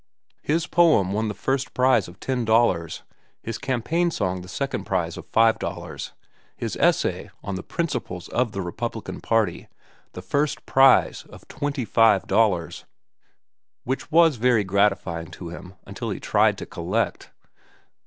His poem won the first prize of ten dollars, his campaign song the second prize of five dollars, his essay on the principles of the Republican Party the first prize of twenty five dollars. Which was very gratifying to him until he tried to collect.